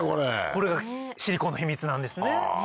これがシリコーンの秘密なんですね。